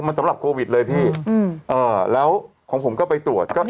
มันสำหรับโควิดเลยพี่แล้วของผมก็ไปตรวจ